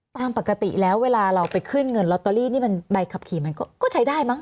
ตามปกติแล้วเวลาเราไปขึ้นเงินลอตเตอรี่นี่มันใบขับขี่มันก็ใช้ได้มั้